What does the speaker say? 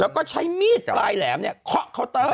แล้วก็ใช้มีดปลายแหลมเนี่ยเคาะเคาน์เตอร์